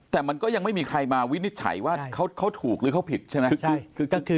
แต่มันก็ยังไม่มีใครมาวินิจฉัยว่าเขาถูกหรือเขาผิดใช่ไหม